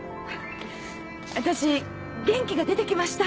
私元気が出てきました。